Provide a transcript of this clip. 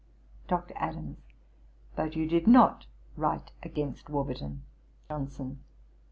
DR. ADAMS. 'But you did not write against Warburton.' JOHNSON.